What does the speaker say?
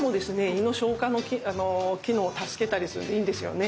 胃の消化の機能を助けたりするのでいいんですよね。